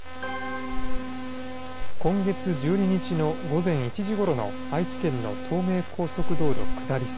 今月１２日の午前１時ごろの愛知県の東名高速道路下り線。